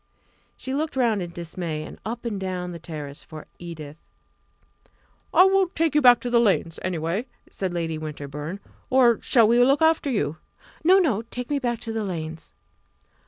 She looked round in dismay, and up and down the terrace for Edith. "I will take you back to the Lanes, anyway," said Lady Winterbourne; "or shall we look after you?" "No! no! Take me back to the Lanes."